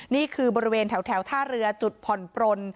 นี่คือบริเวณแถวท่าเรือจุดผ่อนปลน